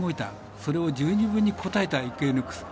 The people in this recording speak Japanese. それを十二分に応えたイクイノックス。